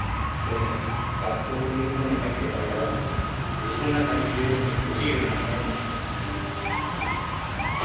とにかく学校というものに入っている間は水の中にいるように不自由なものなんです。